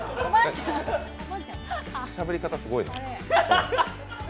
しゃべり方すごいな。